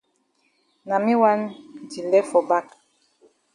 Na me wan do lef for back.